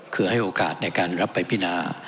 คือให้โอกาสในการรับไปพินา